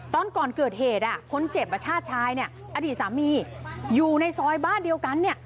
ตอนก่อนเกิดเหตุคนเจ็บประชาชายอดีตสามีอยู่ในซอยบ้านเดียวกัน